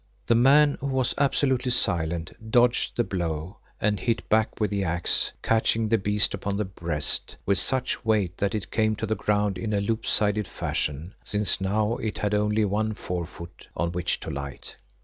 The man, who was absolutely silent, dodged the blow and hit back with the axe, catching the beast upon the breast with such weight that it came to the ground in a lopsided fashion, since now it had only one fore foot on which to light.